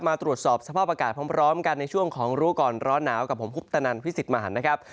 มาตรวจสอบสภาพอากาศพร้อมกันในช่วงของรู้ก่อนร้อนหนาวกับผมคุปตนันพิสิทธิ์มหันนะครับ